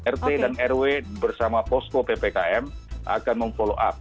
rt dan rw bersama posko ppkm akan memfollow up